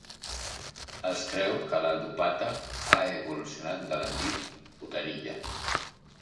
Es creu que la "dupatta" ha evolucionat de l'antic "uttariya".